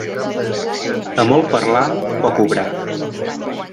A molt parlar, poc obrar.